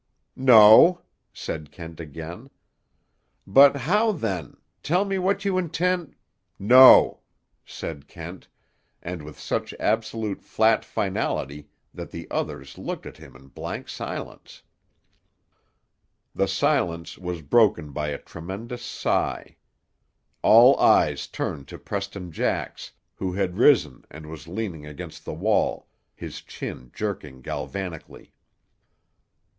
"No," said Kent again. "But how, then—tell me what you intend—" "No," said Kent, and with such absolute flat finality that the others looked at him in blank silence. The silence was broken by a tremendous sigh. All eyes turned to Preston Jax, who had risen and was leaning against the wall, his chin jerking galvanically.